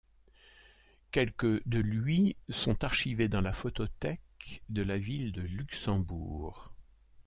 Quelque de lui sont archivées dans la Photothèque de la Ville de Luxembourg.